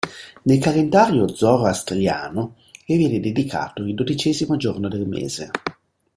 Nel calendario zoroastriano le viene dedicato il dodicesimo giorno del mese.